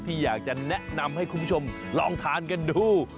อยากจะแนะนำให้คุณผู้ชมลองทานกันดู